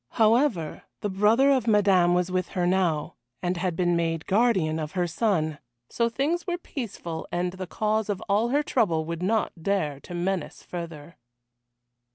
However, the brother of Madame was with her now, and had been made guardian of her son so things were peaceful and the cause of all her trouble would not dare to menace further.